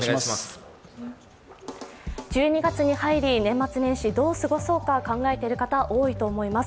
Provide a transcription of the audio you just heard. １２月に入り、年末年始、どう過ごそうか考えている方、多いと思います。